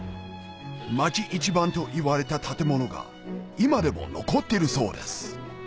町一番といわれた建物が今でも残っているそうです